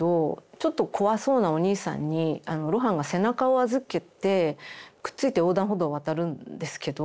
ちょっと怖そうなおにいさんに露伴が背中を預けてくっついて横断歩道を渡るんですけど。